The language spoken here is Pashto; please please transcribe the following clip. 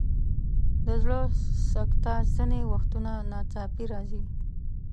د زړه سکته ځینې وختونه ناڅاپي راځي.